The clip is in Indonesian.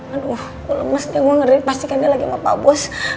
aduh gue lemes deh gue ngeri pasti kan dia lagi sama pak bos